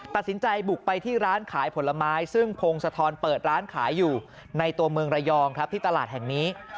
ตัดสินใจบุกไปที่ร้านขายผลไม้ซึ่งพงศธรเปิดร้านขายอยู่ในตัวเมืองระยองครับที่ตลาดแห่งนี้